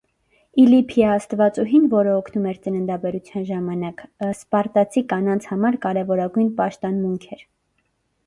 Իլիփիա աստվածուհին, որը օգնում էր ծննդաբերության ժամանակ, սպարտացի կանանց համար կարևորագույն պաշտանմունք էր։